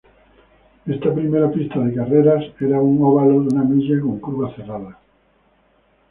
Esta primera pista de carreras era un óvalo de una milla con curvas cerradas.